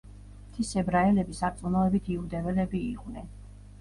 მთის ებრაელები სარწმუნოებით იუდეველები იყვნენ.